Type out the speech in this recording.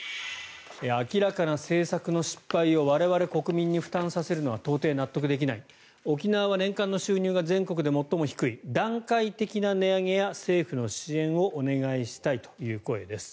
明らかな政策の失敗を我々国民に負担させるのは到底納得できない沖縄は年間の収入が全国で最も低い段階的な値上げや政府の支援をお願いしたいという声です。